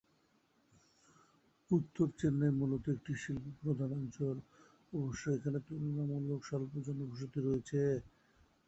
উত্তর চেন্নাই মূলত একটি শিল্প প্রধান অঞ্চল, অবশ্য এখানে তুলনামূলক স্বল্প জনবসতি রয়েছে।